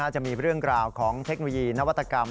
จะมีเรื่องราวของเทคโนโลยีนวัตกรรม